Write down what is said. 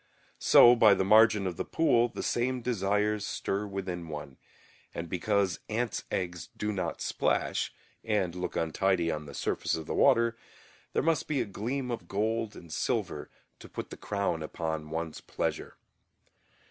So by the margin of the pool the same desires stir within one, and because ants' eggs do not splash, and look untidy on the surface of the water, there must be a gleam of gold and silver to put the crown upon one's pleasure.